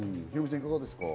いかがですか？